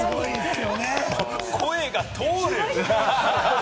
声が通る！